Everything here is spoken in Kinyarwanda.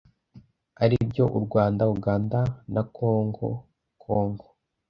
ari byo u Rwanda, Uganda na Kongo Congo.